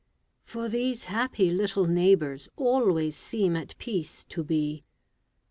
For these happy little neighbors Always seem at peace to be.